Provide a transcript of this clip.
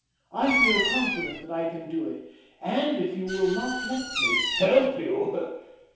I feel confident that I can do it; and if you will not help me " "Help you!